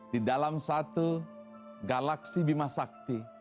di dalam satu galaksi bimah sakti